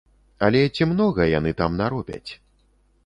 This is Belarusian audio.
Але ці многа яны там наробяць?